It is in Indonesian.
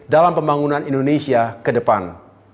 dalam pembangunan indonesia ke depan